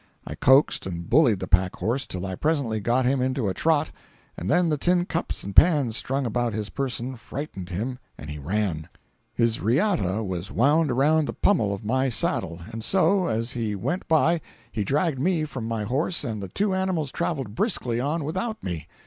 I coaxed and bullied the pack horse till I presently got him into a trot, and then the tin cups and pans strung about his person frightened him and he ran. His riata was wound around the pummel of my saddle, and so, as he went by he dragged me from my horse and the two animals traveled briskly on without me.